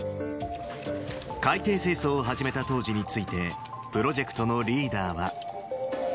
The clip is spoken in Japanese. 海底清掃を始めた当時について、プロジェクトのリーダーは。